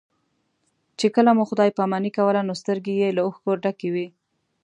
چې کله مو خدای پاماني کوله نو سترګې یې له اوښکو ډکې وې.